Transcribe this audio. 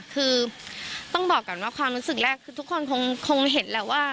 คือต้องบอกก่อนว่าความรู้สึกแรกคือทุกคนคงเห็นแหละว่า